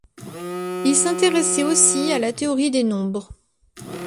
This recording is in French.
Il s'intéressait aussi à la théorie des nombres.